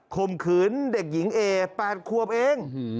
คมขืนเด็กหญิงเอแปดควบเอง